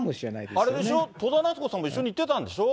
あれでしょ、戸田奈津子さんも一緒に行ってたんでしょ？